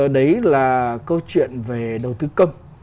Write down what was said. đấy là câu chuyện về đầu tư công